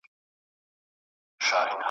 چي یې نه غواړې هغه به در پیښیږي ,